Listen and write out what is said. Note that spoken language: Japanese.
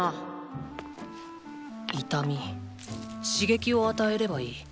シゲキを与えればいい。